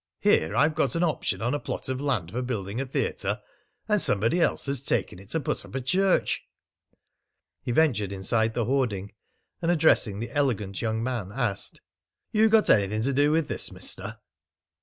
Here I've got an option on a plot of land for building a theatre, and somebody else has taken it to put up a church!" He ventured inside the hoarding, and, addressing the elegant young man, asked: "You got anything to do with this, Mister?"